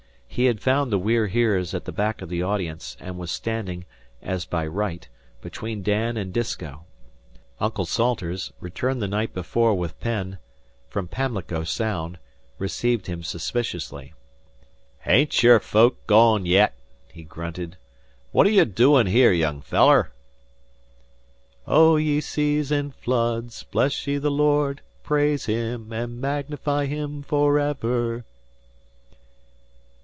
He had found the We're Heres at the back of the audience, and was standing, as by right, between Dan and Disko. Uncle Salters, returned the night before with Penn, from Pamlico Sound, received him suspiciously. "Hain't your folk gone yet?" he grunted. "What are you doin' here, young feller?" "O ye Seas and Floods, bless ye the Lord: praise him, and magnify him for ever!"